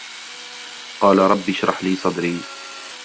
قال رب اشرح لي صدري